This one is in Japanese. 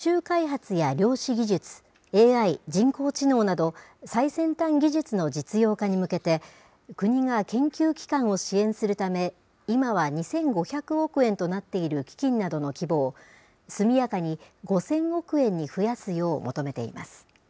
提言では、宇宙開発や量子技術、ＡＩ・人工知能など、最先端技術の実用化に向けて、国が研究機関を支援するため、今は２５００億円となっている基金などの規模を速やかに５０００億円に増やすよう求めています。